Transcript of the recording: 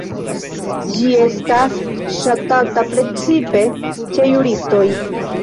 Ĝi estas ŝatata precipe ĉe juristoj.